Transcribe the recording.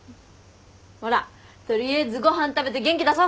ほら取りあえずご飯食べて元気出そう！